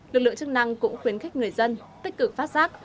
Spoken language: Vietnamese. lực lượng chức năng cũng khuyến khích người dân tích cực phát giác